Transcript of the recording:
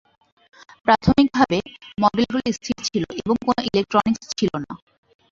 প্রাথমিকভাবে, মডেলগুলি স্থির ছিল এবং কোন ইলেকট্রনিক্স ছিল না।